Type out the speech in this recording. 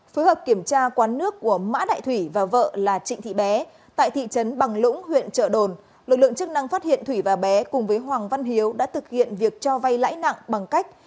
phối hợp kiểm tra quán nước của mã đại thủy và vợ là trịnh thị bé tại thị trấn bằng lũng huyện trợ đồn lực lượng chức năng phát hiện thủy và bé cùng với hoàng văn hiếu đã thực hiện việc cho vay lãi nặng bằng cách